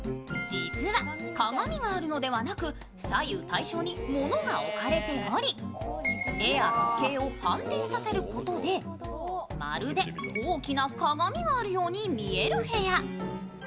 実は鏡があるのではなく、左右対称に物が置かれており絵や時計を反転させることで、まるで大きな鏡があるように見える部屋。